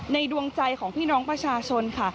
ดวงใจของพี่น้องประชาชนค่ะ